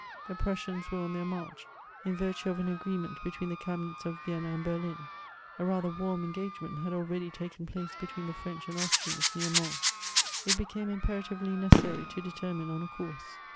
The Prussians were on thdr march, in virtue of an agreement between the cabinets of Vienna and Berlin ; a rather warm engagement had already taken place between the French and Austrians near Mona. It became imperatively necessary to determine on a course.